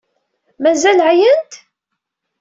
Mazal ɛyant?